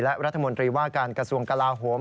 และรัฐมนตรีว่าการกระทรวงกลาโหม